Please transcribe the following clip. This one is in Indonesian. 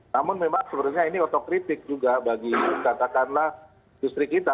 namun memang sebenarnya ini otokritik juga bagi katakanlah industri kita